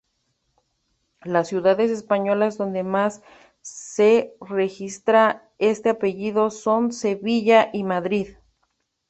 Las ciudades españolas donde más se registra este apellido son Sevilla y Madrid.